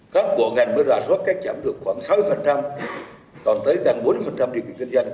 các bộ ngành mới rả rốt cách chậm được khoảng sáu mươi còn tới càng bốn mươi điều kiện kinh doanh